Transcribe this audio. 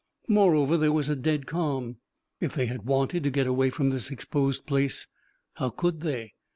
Moreover, there was a dead calm; if they had wanted to get away from this exposed place, how could they?